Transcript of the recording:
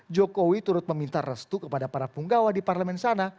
jokowi turut meminta restu kepada para punggawa di parlemen sana